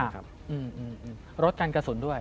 อเจมส์รดการกระสุนด้วย